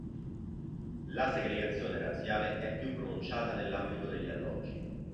La segregazione razziale è più pronunciata nell'ambito degli alloggi.